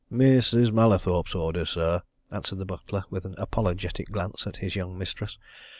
"Mrs. Mallathorpe's orders, sir," answered the butler, with an apologetic glance at his young mistress.